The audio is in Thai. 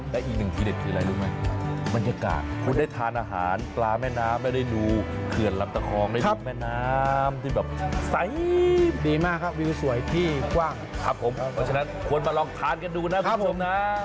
ได้อีกหนึ่งทีเด็ดคืออะไรรู้ไหม